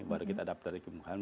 baru kita dapat dari kebukahan